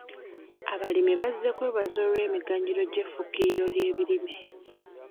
Abalimi bazze kwebaza olw'emiganyulo gy'effukiriro ly'ebirime.